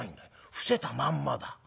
伏せたまんまだ。